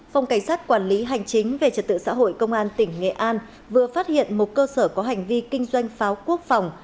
phòng cảnh sát quản lý hành chính về trật tự xã hội công an tỉnh nghệ an vừa phát hiện một cơ sở có hành vi kinh doanh pháo quốc phòng